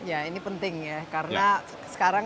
ya ini penting ya karena sekarang